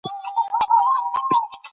سیاسي ځواک باید د ولس په ګټه وي